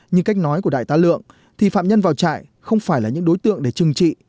như cách nói của đại tá lượng thì phạm nhân vào trại không phải là những đối tượng để trừng trị